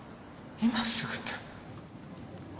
今すぐって。